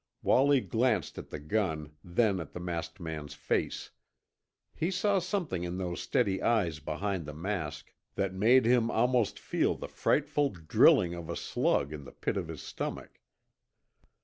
Wallie glanced at the gun, then at the masked man's face. He saw something in those steady eyes behind the mask that made him almost feel the frightful drilling of a slug in the pit of his stomach.